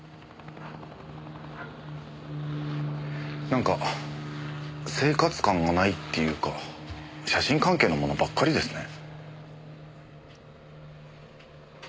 なんか生活感がないっていうか写真関係のものばっかりですね。